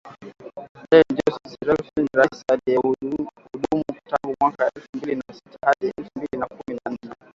Ellen Johnson Sirleaf rais aliyehudumu tangu mwaka elfu mbili na sita hadi elfu mbili na kumi na nane